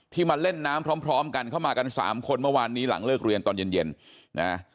มาเล่นน้ำพร้อมกันเข้ามากันสามคนเมื่อวานนี้หลังเลิกเรียนตอนเย็นเย็นนะ